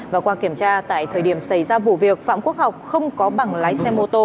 và qua kiểm tra tại thời điểm xảy ra vụ việc phạm quốc học không có bằng lái xe mô tô và đã sử dụng rượu bia